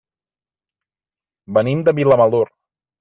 Venim de Vilamalur.